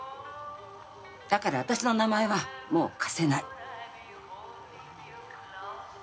だから私の名前はもう貸せない。